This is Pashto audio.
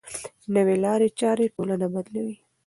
نوې لارې چارې ټولنه بدلوي.